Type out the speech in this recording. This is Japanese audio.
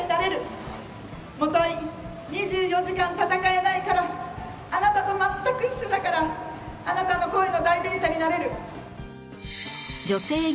もとい２４時間戦えないからあなたと全く一緒だからあなたの声の代弁者になれる。